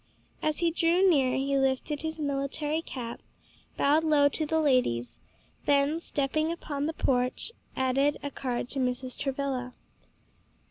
As he drew near, he lifted his military cap, bowed low to the ladies, then, stepping upon the porch, handed a card to Mrs. Travilla.